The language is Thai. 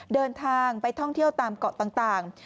เดินทางไปท่องเที่ยวตามเกาะต่าง